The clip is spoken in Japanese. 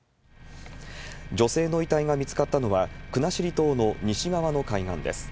女性の遺体が見つかったのは、国後島の西側の海岸です。